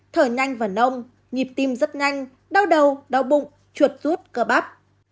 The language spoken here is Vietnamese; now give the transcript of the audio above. thở nhanh và nông nhịp tim rất nhanh đau đầu đau bụng chuột rút cơ bắp